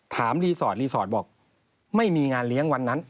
รีสอร์ทรีสอร์ทบอกไม่มีงานเลี้ยงวันนั้น